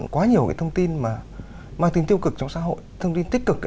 quá nhiều cái thông tin mà mang tính tiêu cực trong xã hội thông tin tích cực